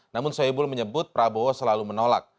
namun soebul menyebut prabowo selalu menolak